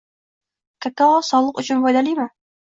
Kakao sog‘liq uchun foydalimi?